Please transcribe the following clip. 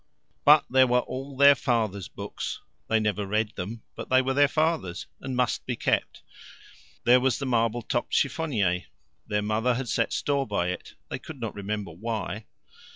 But there were all their father's books they never read them, but they were their father's, and must be kept. There was the marble topped chiffonier their mother had set store by it, they could not remember why.